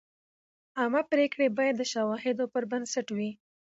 عامه پریکړې باید د شواهدو پر بنسټ وي.